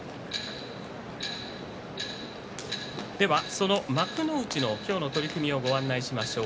その幕内の今日の取組をご案内しましょう。